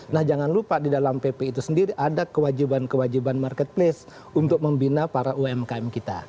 nah jangan lupa di dalam pp itu sendiri ada kewajiban kewajiban marketplace untuk membina para umkm kita